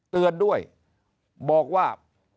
เตือนด้วยบอกว่า